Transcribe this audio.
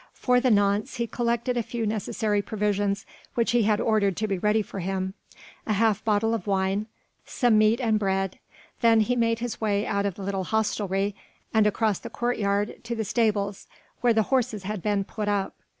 For the nonce he collected a few necessary provisions which he had ordered to be ready for him a half bottle of wine, some meat and bread, then he made his way out of the little hostelry and across the courtyard to the stables where the horses had been put up.